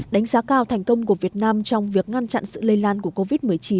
đánh giá cao thành công của việt nam trong việc ngăn chặn sự lây lan của covid một mươi chín